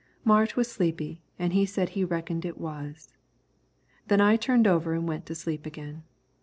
Mart was sleepy an' he said he reckoned it was. Then I turned over an' went to sleep again.